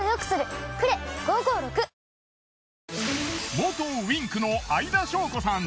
元Ｗｉｎｋの相田翔子さん。